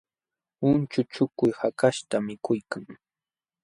Unchuchukuy hakaśhta mikuykan